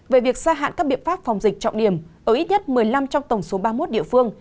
về việc gia hạn các biện pháp phòng dịch trọng điểm ở ít nhất một mươi năm trong tổng số ba mươi một địa phương